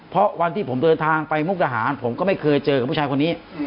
เพราะวันที่ผมเดินทางไปมุกดาหารผมก็ไม่เคยเจอกับผู้ชายคนนี้